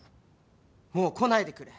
もう来ないでくれ。